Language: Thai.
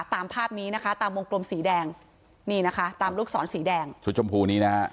ตามภาพนี้นะคะตามวงกลมสีแดงนี่นะคะตามลูกศรสีแดงชุดชมพูนี้นะฮะ